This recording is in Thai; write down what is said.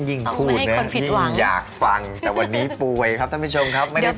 ยิ่งอยากฟังแต่วันนี้ป่วยครับท่านผู้ชมครับไม่ได้ฟัง